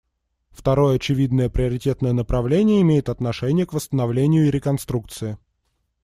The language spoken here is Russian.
Второе очевидное приоритетное направление имеет отношение к восстановлению и реконструкции.